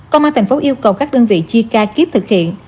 công an tp hcm yêu cầu các đơn vị chi ca kiếp thực hiện